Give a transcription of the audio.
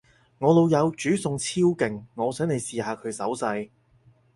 我老友煮餸超勁，我想你試下佢手勢